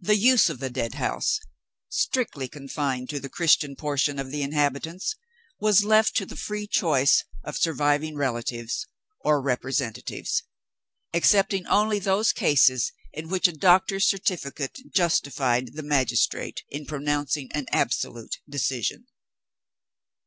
The use of the Deadhouse (strictly confined to the Christian portion of the inhabitants) was left to the free choice of surviving relatives or representatives excepting only those cases in which a doctor's certificate justified the magistrate in pronouncing an absolute decision.